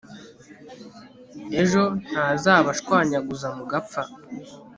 ejo ntazabashwanyaguza mugapfa